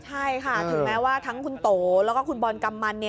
ใช่ค่ะถึงแม้ว่าทั้งคุณโตแล้วก็คุณบอลกำมัน